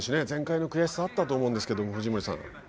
前回の悔しさがあったと思うんですけど藤森さん。